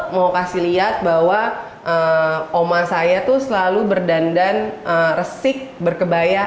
mau kasih lihat bahwa oma saya tuh selalu berdandan resik berkebaya